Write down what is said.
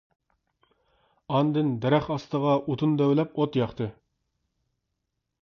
ئاندىن دەرەخ ئاستىغا ئوتۇن دۆۋىلەپ ئوت ياقتى.